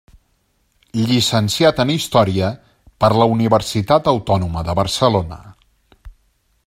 Llicenciat en Història per la Universitat Autònoma de Barcelona.